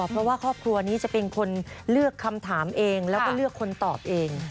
เพราะว่าครอบครัวนี้จะเป็นคนเลือกคำถามเองแล้วก็เลือกคนตอบเอง